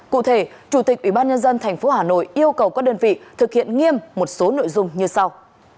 cụ thể chủ tịch ubnd tp hà nội yêu cầu các đơn vị thực hiện nghiêm một số nội dung như sau